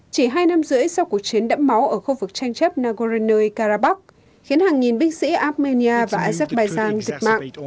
chỉ hai năm rưỡi sau cuộc chiến đẫm máu ở khu vực tranh chấp nagorno karabakh khiến hàng nghìn binh sĩ armenia và azerbaijan dịch mạng